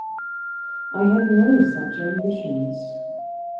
I have no such ambitions.